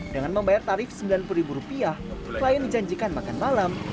dengan membayar tarif sembilan puluh ribu rupiah klien dijanjikan makan malam